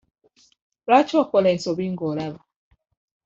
Lwaki okola ensobi ng'olaba?